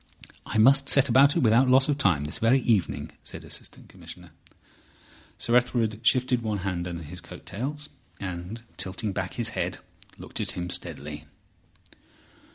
"I must set about it without loss of time, this very evening," said the Assistant Commissioner. Sir Ethelred shifted one hand under his coat tails, and tilting back his head, looked at him steadily.